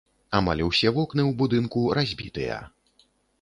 Амаль усе вокны ў будынку разбітыя.